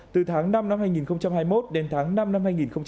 từ tháng năm năm hai nghìn hai mươi một đến tháng năm năm hai nghìn hai mươi ba